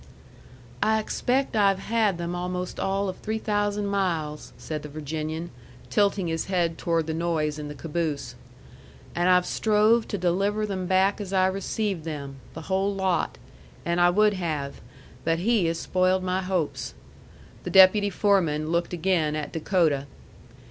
"I expaict I've had them almost all of three thousand miles," said the Virginian, tilting his head toward the noise in the caboose. "And I've strove to deliver them back as I received them. The whole lot. And I would have. But he has spoiled my hopes." The deputy foreman looked again at Dakota.